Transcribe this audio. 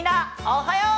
おはよう！